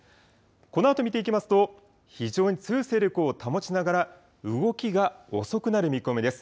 このあと見ていきますと非常に強い勢力を保ちながら動きが遅くなる見込みです。